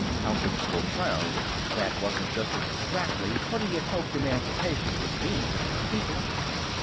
Count Erskyll frowned. That wasn't just exactly what he had hoped Emancipation would mean to these people.